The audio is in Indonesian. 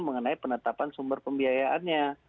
mengenai penetapan sumber pembiayaannya